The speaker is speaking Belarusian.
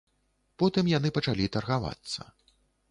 Потым яны пачалі таргавацца.